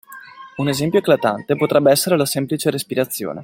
Un esempio eclatante potrebbe essere la semplice respirazione.